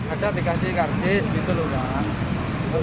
ada dikasih karcis gitu loh pak